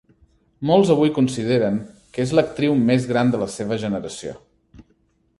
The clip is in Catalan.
Molts avui consideren que és l'actriu més gran de la seva generació.